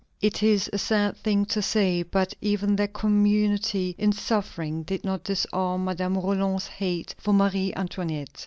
It is a sad thing to say, but even their community in suffering did not disarm Madame Roland's hate for Marie Antoinette.